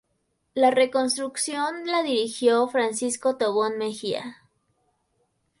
La reconstrucción la dirigió Francisco Tobón Mejía.